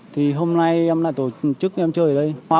thì hôm nay em lại tổ chức em chơi ở đây